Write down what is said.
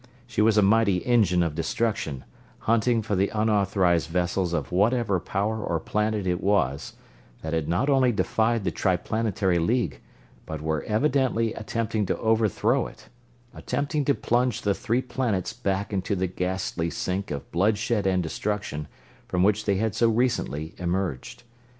She was a mighty engine of destruction, hunting for the unauthorized vessels of whatever power or planet it was, that had not only defied the Triplanetary League, but were evidently attempting to overthrow it; attempting to plunge the Three Planets back into the ghastly sink of bloodshed and destruction from which they had so recently emerged.